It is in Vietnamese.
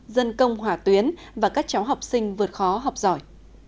dân công hỏa tuyến và các cháu học sinh vượt khó học giỏi